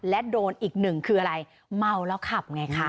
และโดนอีกหนึ่งคืออะไรเมาแล้วขับไงคะ